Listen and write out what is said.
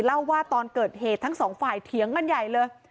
เล่าว่าตอนเกิดเหตุทั้งสองฝ่ายเถียงกันใหญ่เลย